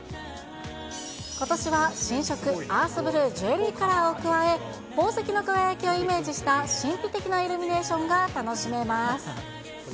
ことしは新色アースブルー・ジュエリーカラーを加えた輝きをイメージした神秘的なイルミネーションが楽しめます。